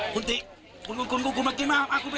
คุณติ๊มากินมาไป